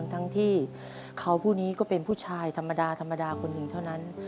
ทั้งที่เขาผู้นี้ก็เป็นผู้ชายธรรมดาธรรมดาคนหนึ่งเท่านั้น